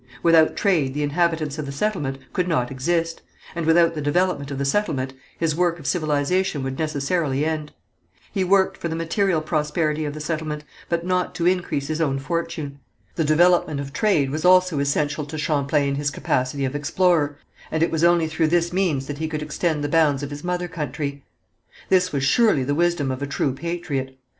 Without trade the inhabitants of the settlement could not exist, and without the development of the settlement, his work of civilization would necessarily end. He worked for the material prosperity of the settlement, but not to increase his own fortune. The development of trade was also essential to Champlain in his capacity of explorer, and it was only through this means that he could extend the bounds of his mother country. This was surely the wisdom of a true patriot.